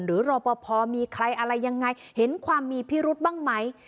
รอปภมีใครอะไรยังไงเห็นความมีพิรุธบ้างไหม